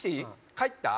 帰った？